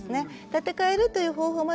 建て替えるという方法もあるし